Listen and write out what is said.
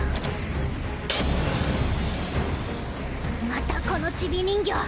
またこのチビ人形。